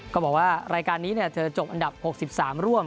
ก็บอกว่ารายการนี้เธอจบอันดับ๖๓ร่วม